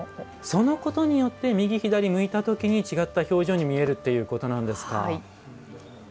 そのことによって右、左向いたときに違った表情に見えるということなんですか。